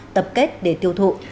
tập kết để tiêu thụ